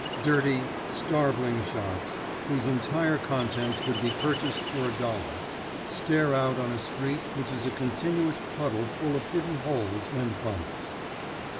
Dirty, starveling shops, whose entire contents could be purchased for a dollar, stare out on a street which is a continuous puddle full of hidden holes and bumps.